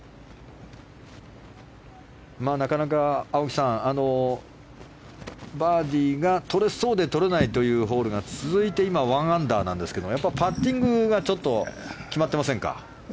なかなか青木さん、バーディーがとれそうでとれないというホールが続いて、今１アンダーなんですけれどもやっぱり、パッティングがちょっと決まってませんか。